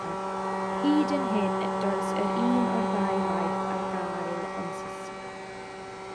Hyd yn hyn does yr un o'r ddau waith ar gael yn Saesneg.